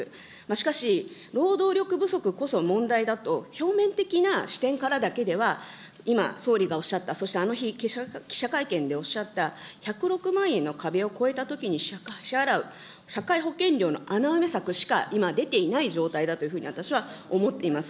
しかし、労働力不足こそ問題だと、表面的な視点からだけでは、今、総理がおっしゃった、そしてあの日、記者会見でおっしゃった１０６万円の壁を超えたときに支払う社会保険料の穴埋め策しか今、出ていない状態だというふうに私は思っています。